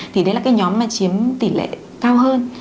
thì đấy là cái nhóm mà chiếm tỷ lệ cao hơn